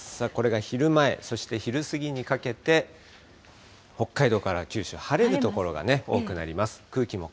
これが昼前、そして昼過ぎにかけて、北海道から九州、晴れる所が多くなります。